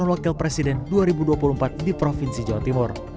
dan wakil presiden dua ribu dua puluh empat di provinsi jawa timur